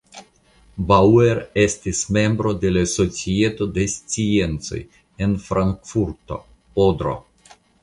Bauer estis membro de la Societo de Sciencoj en Frankfurto (Odro).